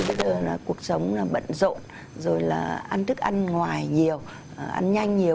bây giờ là cuộc sống là bận rộn rồi là ăn thức ăn ngoài nhiều ăn nhanh nhiều